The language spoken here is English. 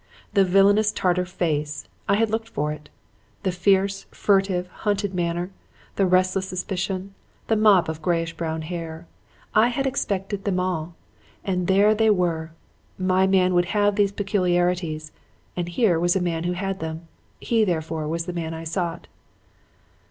The villainous Tartar face: I had looked for it. The fierce, furtive, hunted manner; the restless suspicion; the mop of grayish brown hair. I had expected them all, and there they were. My man would have those peculiarities, and here was a man who had them. He, therefore, was the man I sought.